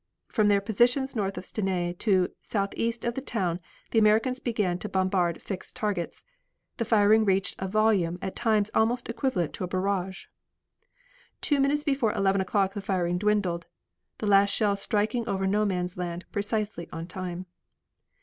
From their positions north of Stenay to southeast of the town the Americans began to bombard fixed targets. The firing reached a volume at times almost equivalent to a barrage. Two minutes before eleven o'clock the firing dwindled, the last shells shrieking over No Man's Land precisely on time.